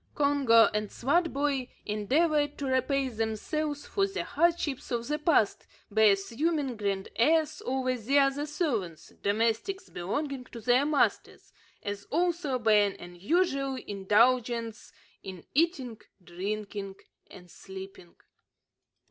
Congo and Swartboy endeavoured to repay themselves for the hardships of the past, by assuming grand airs over the other servants, domestics belonging to their masters, as also by an unusual indulgence in eating, drinking, and sleeping.